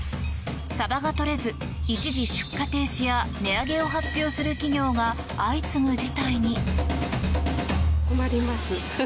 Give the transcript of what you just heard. サバがとれず、一時出荷停止や値上げを発表する企業が相次ぐ事態に。